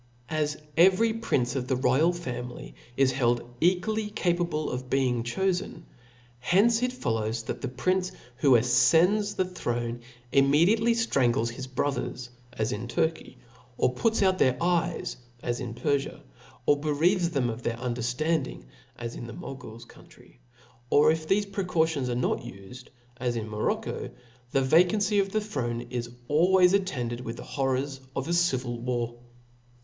As every, prince of the royal family is held equally capable of being chofen, hence it follows, that the prince whoafcends the throne, immediately ftranglcs his brothers, as in Turky ; or puts out their eyes, as in Perfia; or bereaves themoftheirunderftanding, as in the Mogul's country i or if thefe precautions arc not ufed, as in Morocco, the vacancy of the throne is always attended with the horrors of a civil wan (*) Seethe